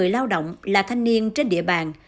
một mươi lao động là thanh niên trên địa bàn